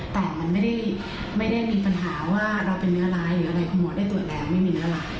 แต่มันไม่มีปัญหาว่าเราเป็นเนื้อร้าย